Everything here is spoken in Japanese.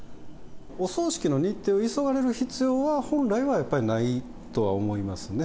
お葬式の日程を急がれる必要は、本来はやっぱりないとは思いますね。